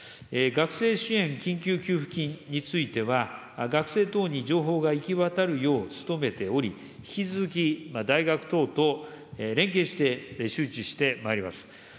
学生支援緊急給付金については、学生等に情報が行き渡るよう努めており、引き続き大学等と連携して、周知してまいります。